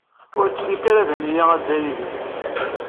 Ur ttili-k ara d nniya a Dda Yidir.